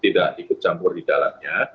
tidak ikut campur di dalamnya